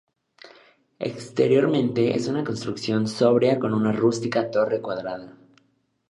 Exteriormente es una construcción sobria con una rústica torre cuadrada.